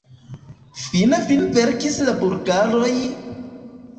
Finfine venkis la bulgaroj...